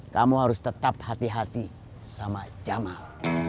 kamu harus tetap hati hati sama jamal